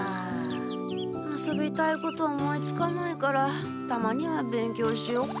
遊びたいこと思いつかないからたまには勉強しようか。